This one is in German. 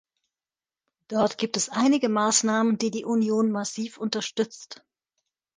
Dort gibt es einige Maßnahmen, die die Union massiv unterstützt.